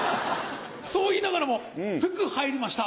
そう言いながらも福入りました。